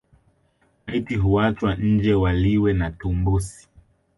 Maiti huachwa nje waliwe na tumbusi